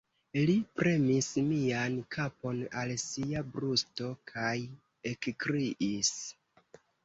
Li premis mian kapon al sia brusto kaj ekkriis: